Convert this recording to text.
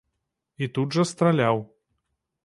І тут жа страляў.